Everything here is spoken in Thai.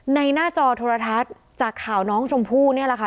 หน้าจอโทรทัศน์จากข่าวน้องชมพู่นี่แหละค่ะ